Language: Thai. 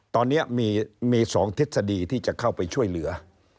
ตอนนี้มี๒ทฤษฎีที่จะเข้าไปช่วยเหลือ